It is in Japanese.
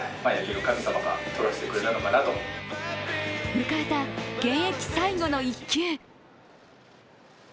迎えた現役最後の１球。